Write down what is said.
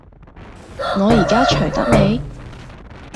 我依家除得未？